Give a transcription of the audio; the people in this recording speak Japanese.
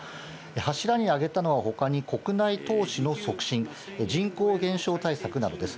柱に挙げたのはほかに国内投資の促進、人口減少対策などです。